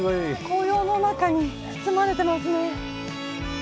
紅葉の中に包まれてますね。